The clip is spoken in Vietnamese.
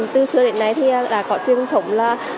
từ xưa đến nay thì đã có truyền thống là